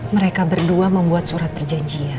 mereka berdua membuat surat perjanjian